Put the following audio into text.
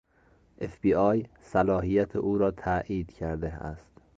اف بی آی صلاحیت او را تایید کرده است.